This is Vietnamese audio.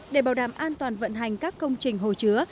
để bảo đảm an toàn vận hành các công trình hồ chứa